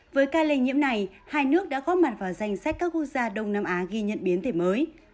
với ca lây nhiễm này hai nước đã góp mặt vào danh sách các quốc gia đông nam á ghi nhận biến thể mới